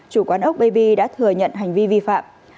chủ quán ốc bab đã thừa nhận hành vi vi phạm